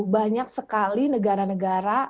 banyak sekali negara negara